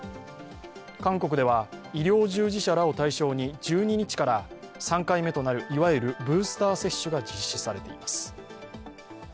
韓国では医療従事者らを対象に１２日から３回目となる、いわゆるブースター接種が実施されています。